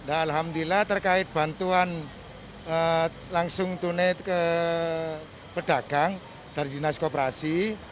alhamdulillah terkait bantuan langsung tunai ke pedagang dari dinas koperasi